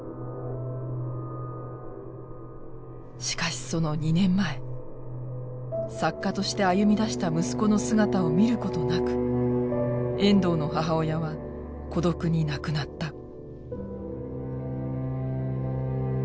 しかしその２年前作家として歩みだした息子の姿を見ることなく遠藤の母親は孤独に亡くなった。